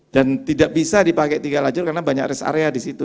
dan tidak bisa dipakai tiga lajur karena banyak rest area di situ